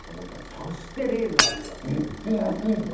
そしてリーズナブルだったんですよ。